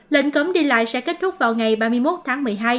lệnh cấm đi lại sẽ kết thúc vào ngày ba mươi một tháng một mươi hai